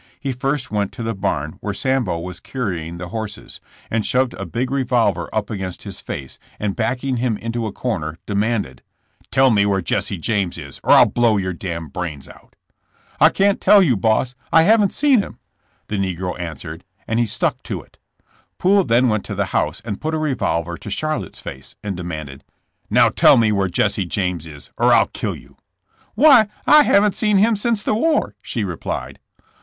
He first went to the bam where Sambo was currying the horses, and shoved a big revolver AFTER THK WAR. C9 Up against his face, and backing him into a corner demanded : *'Tell me where Jesse James is or I'll blow your damn brains out," *'I can't tell you, boss. I haven't seen him," the negro answered, and he stuck to it. Poole then went to the house and put a revolver to Charlotte 's face and demanded : *'Now tell me where Jesse James is or I'll kill you. '' *'Why, I haven' seen him since the war," she replied.